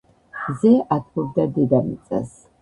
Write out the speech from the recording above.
მზე ათბობს დედამიწას